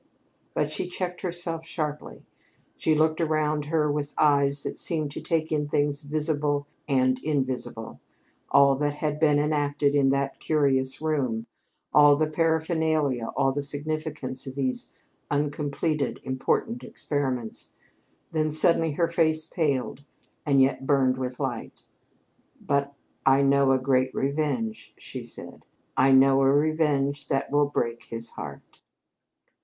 But she checked herself sharply. She looked around her with eyes that seemed to take in things visible and invisible all that had been enacted in that curious room, all the paraphernalia, all the significance of those uncompleted, important experiments. Then suddenly her face paled and yet burned with light. "But I know a great revenge," she said. "I know a revenge that will break his heart!"